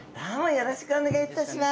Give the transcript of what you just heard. よろしくお願いします。